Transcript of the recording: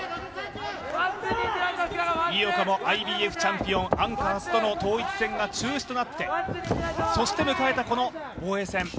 井岡もＩＢＦチャンピオン、アンカハスとの統一戦が中止になって迎えたこの防衛戦。